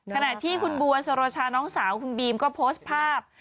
ขณะที่คุณบัวสโรชาน้องสาวคุณบีมก็โพสต์ภาพ